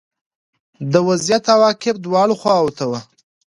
د وضعیت عواقب دواړو خواوو ته وو